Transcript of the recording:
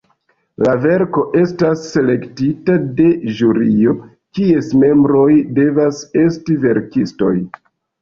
La verko estas selektita de ĵurio, kies membroj devas esti verkistoj.